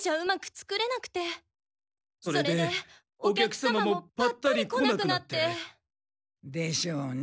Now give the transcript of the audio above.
それでお客様もパッタリ来なくなって。でしょうね。